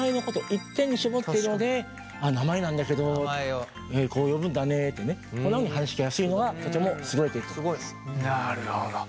１点に絞っているので名前なんだけどこう呼ぶんだねってこんなふうに話を聞きやすいのはとても優れていると思います。